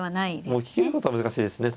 もう受けきることは難しいですね。